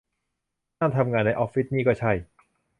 นั่งทำงานในออฟฟิศนี่ก็ใช่